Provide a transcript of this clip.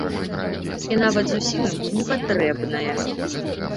І нават зусім ім не патрэбнае.